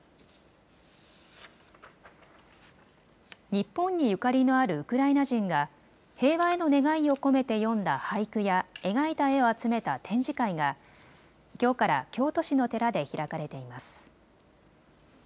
日本にゆかりのあるウクライナ人が平和への願いを込めて詠んだ俳句や描いた絵を集めた展示会がきょうから京都市の寺で開かれています。